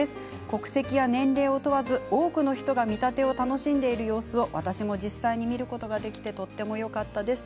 国籍や年齢を問わず、多くの人が見立てを楽しんでいる様子を私も実際に見ることができてとてもよかったです。